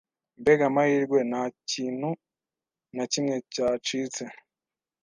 Mbega amahirwe! Nta kintu na kimwe cyacitse.